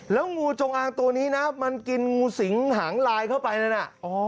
แล้วงูจงอางตัวนี้นะมันกินงูสิงหางลายเข้าไปนั่นน่ะ